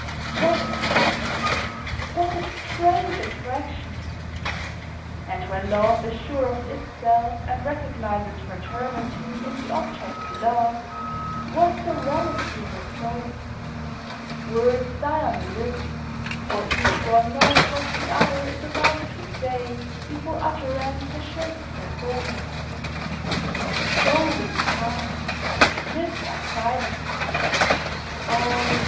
What a touch! What a strange attraction! And when love is sure of itself and recognizes fraternity in the object beloved, what serenity in the soul! Words die on the lips, for each one knows what the other is about to say before utterance has shaped the thought. Souls expand, lips are silent. Oh!